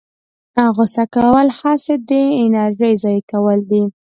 غوسه کول هسې د انرژۍ ضایع کول دي.